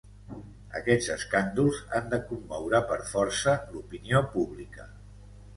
Aquests escàndols han de commoure per força l'opinió pública.